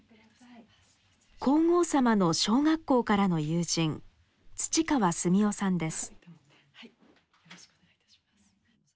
皇后さまの小学校からの友人土川純代さんです。